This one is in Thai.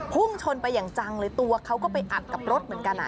พุ่งชนไปอย่างจังเลยตัวเขาก็ไปอัดกับรถเหมือนกัน